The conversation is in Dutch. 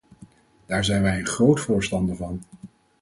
Daar zijn wij een groot voorstander van.